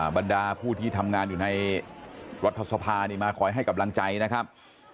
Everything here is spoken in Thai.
บรรดาผู้ที่ทำงานอยู่ในรัฐสภานี่มาคอยให้กำลังใจนะครับ